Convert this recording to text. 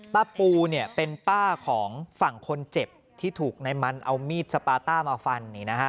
ป้าปูเนี่ยเป็นป้าของฝั่งคนเจ็บที่ถูกนายมันเอามีดสปาต้ามาฟันนี่นะฮะ